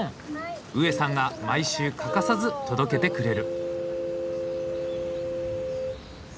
ウエさんが毎週欠かさず届けてくれる。